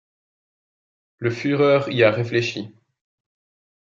Le Führer y a réfléchi.